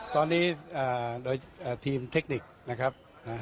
ตอนนี้โดยทีมเทคนิคนะครับ